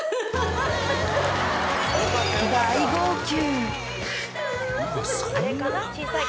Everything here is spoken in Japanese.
大号泣